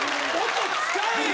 音使えよ！